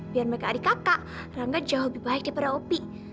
biar mereka adik kakak berangkat jauh lebih baik daripada opi